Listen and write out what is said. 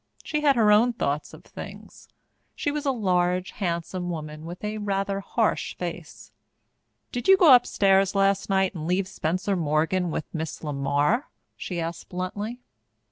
She had her own thoughts of things. She was a large, handsome woman with a rather harsh face. "Did you go upstairs last night and leave Spencer Morgan with Miss LeMar?" she asked bluntly.